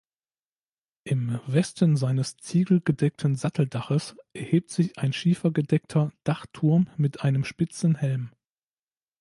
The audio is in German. Im Westen seines ziegelgedeckten Satteldaches erhebt sich ein schiefergedeckter Dachturm mit einem spitzen Helm.